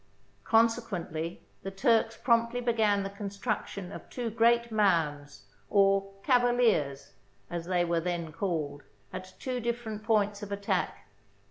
Consequently the Turks promptly began the construction of two great mounds, or " cavaliers," as they were then called, at two different points of attack.